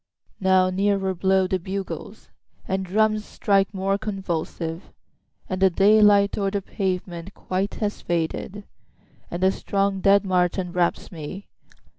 6Now nearer blow the bugles, And the drums strike more convulsive; And the day light o'er the pavement quite has faded, And the strong dead march enwraps me.